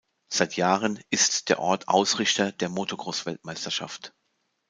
Seit Jahren ist der Ort Ausrichter der Motocross-Weltmeisterschaft.